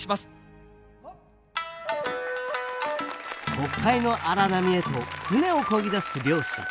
北海の荒波へと船をこぎ出す漁師たち。